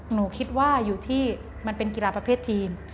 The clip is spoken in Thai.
หนูคิดว่าอยู่ที่มันเป็นกีฬาประเภททีม